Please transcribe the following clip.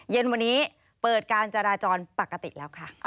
เย็นวันนี้เปิดการจราจรปกติแล้วค่ะ